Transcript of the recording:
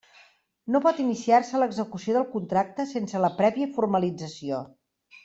No pot iniciar-se l'execució del contracte sense la prèvia formalització.